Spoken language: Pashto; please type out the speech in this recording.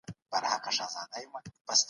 تعلیم ته دوام ورکړه.